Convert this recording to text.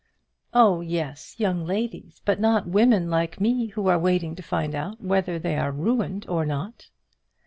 "Oh, yes, young ladies; but not women like me who are waiting to find out whether they are ruined or not."